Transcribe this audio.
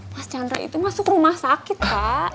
mas chandra itu masuk rumah sakit kak